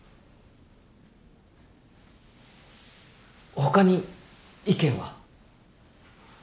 他に意見は？